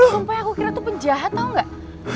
sumpah aku kira itu penjahat tau gak